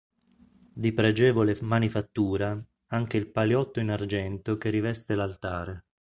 Di pregevole manifattura anche il paliotto in argento che riveste l'altare.